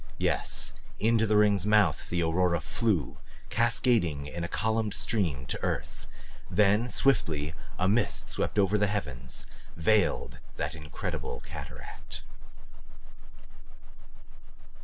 Yes into the ring's mouth the aurora flew, cascading in a columned stream to earth. Then swiftly, a mist swept over all the heavens, veiled that incredible cataract.